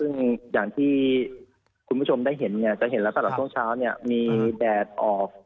ซึ่งอย่างที่คุณผู้ชมได้เห็นเนี่ยจะเห็นแล้วตลอดช่วงเช้าเนี่ยมีแดดออก